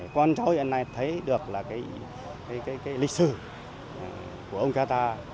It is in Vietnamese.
con cháu hiện nay thấy được là cái lịch sử của ông cha ta